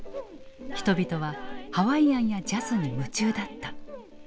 人々はハワイアンやジャズに夢中だった。